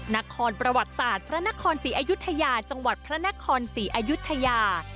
นครประวัติศาสตร์พระนครศรีอยุธยาจังหวัดพระนครศรีอายุทยา